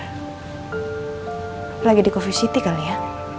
apa lagi di coffee city kali ya